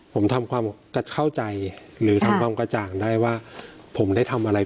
ผมทำความเข้าใจหรือทำความกระจ่างได้ว่าผมได้ทำอะไร